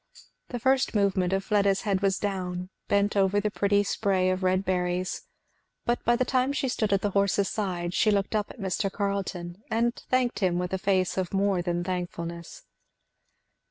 The first movement of Fleda's head was down, bent over the pretty spray of red berries; but by the time she stood at the horse's side she looked up at Mr. Carleton and thanked him with a face of more than thankfulness.